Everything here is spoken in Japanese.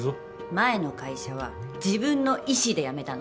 前の会社は自分の意思で辞めたの！